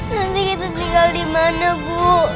nanti kita tinggal dimana bu